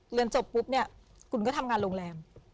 เรียนจบปุ๊บเนี่ยคุณก็ทำงานโรงแรม